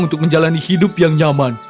untuk menjalani hidup yang nyaman